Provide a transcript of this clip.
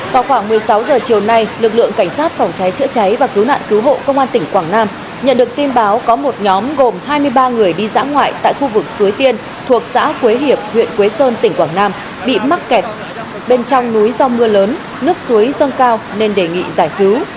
vào khoảng một mươi sáu h chiều nay lực lượng cảnh sát phòng cháy chữa cháy và cứu nạn cứu hộ công an tỉnh quảng nam nhận được tin báo có một nhóm gồm hai mươi ba người đi dã ngoại tại khu vực suối tiên thuộc xã quế hiệp huyện quế sơn tỉnh quảng nam bị mắc kẹt bên trong núi do mưa lớn nước suối dâng cao nên đề nghị giải cứu